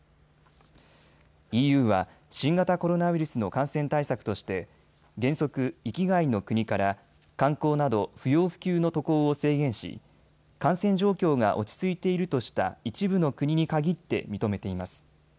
ＥＵは新型コロナウイルスの感染対策として原則、域外の国から観光など不要不急の渡航を制限し、感染状況が落ち着いているとした一部の国に限って認めています。